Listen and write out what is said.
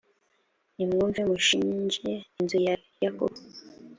nimwumve mushinje inzu ya yakobo